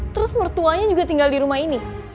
terus mertuanya juga tinggal di rumah ini